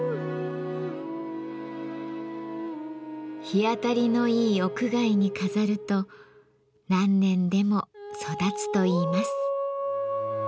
日当たりのいい屋外に飾ると何年でも育つといいます。